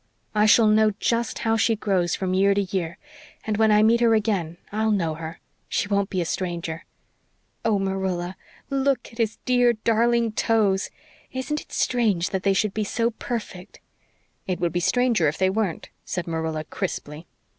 I shall know just how she grows from year to year and when I meet her again I'll know her she won't be a stranger. Oh, Marilla, LOOK at his dear, darling toes! Isn't it strange they should be so perfect?" "It would be stranger if they weren't," said Marilla crisply.